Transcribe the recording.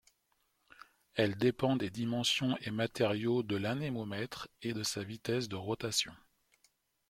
Elle dépend des dimensions et matériaux de l'anémomètre et de sa vitesse de rotation.